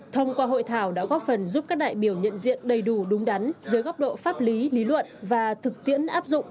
thông qua hội thảo đã góp phần giúp các đại biểu nhận diện đầy đủ đúng đắn dưới góc độ pháp lý lý luận và thực tiễn áp dụng